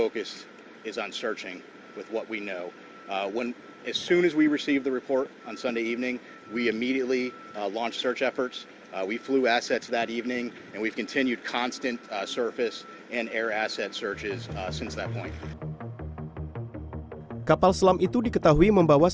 kapal selam itu diketahui membawa